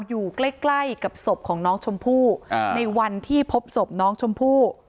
อยู่ใกล้ใกล้กับศพของน้องชมพู่ในวันที่พบศพน้องชมพู่